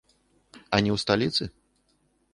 А не ў сталіцы?